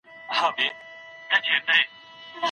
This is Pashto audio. مورنۍ ژبه د پوهې انتقال څنګه اسانه کوي؟